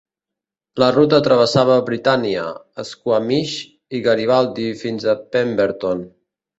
La ruta travessava Britannia, Squamish i Garibaldi fins a Pemberton.